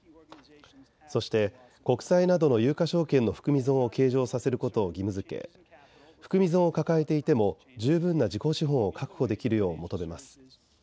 そして国債などの有価証券の含み損を計上させることを義務づけ含み損を抱えていても十分な自己資本を確保できるよう求めます。